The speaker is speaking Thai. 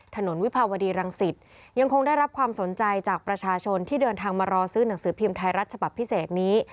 วิภาวดีรังสิตยังคงได้รับความสนใจจากประชาชนที่เดินทางมารอซื้อหนังสือพิมพ์ไทยรัฐฉบับพิเศษนี้